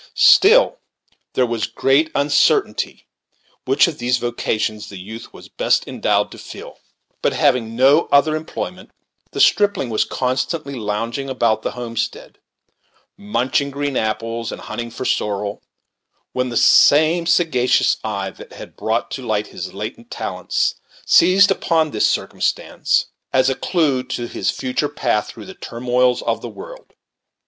Still, there was great uncertainty which of these vocations the youth was best endowed to fill; but, having no other employment, the stripling was constantly lounging about the homestead," munching green apples and hunting for sorrel; when the same sagacious eye that had brought to light his latent talents seized upon this circumstance as a clew to his future path through the turmoils of the world.